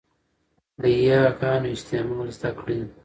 د 'ي' ګانو استعمال زده کړئ.